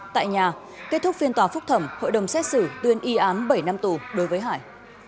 tại nhà kết thúc phiên tòa phúc thẩm hội đồng xét xử tuyên y án bảy năm tù đối với hải